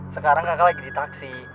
sekarang kakak lagi di taksi